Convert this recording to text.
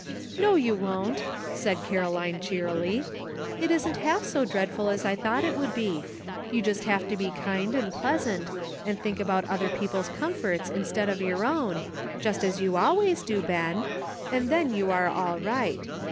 '* "No, you won't," said Caroline cheerily ; "it isn't half so dreadful as I thought it would be. You just have to be kind and pleasant, and think about other people's comforts instead of your own, just as you always do, Ben, and then you are all right.